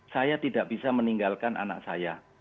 saya tidak bisa meninggalkan anak saya